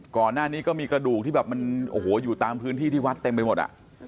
ก่อนหน้านี้ก็มีกระดูกที่แบบมันโอ้โหอยู่ตามพื้นที่ที่วัดเต็มไปหมดอ่ะ